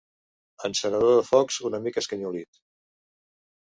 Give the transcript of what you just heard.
Encenedor de focs una mica escanyolit.